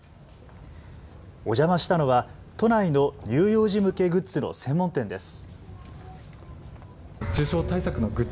お邪魔したのは都内の乳幼児向けグッズの専門店です。